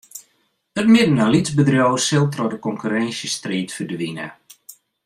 It midden- en lytsbedriuw sil troch de konkurrinsjestriid ferdwine.